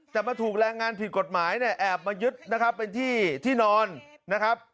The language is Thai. แต่มาถูกแรงงานผิดกฎหมายแอบมายึดเป็นที่ที่นอนนะครับ